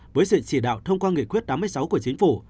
với sự chỉ đạo thông qua nghị quyết tám mươi sáu của chính phủ